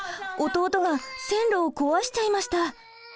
弟が線路を壊しちゃいました。